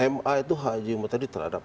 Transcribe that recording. ma itu hak uji materi terhadap